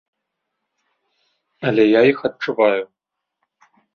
Але я іх адчуваю.